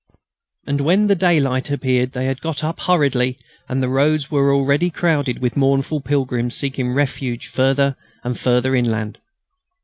And when the daylight appeared they had got up hurriedly and the roads were already crowded with mournful pilgrims seeking refuge further and further inland.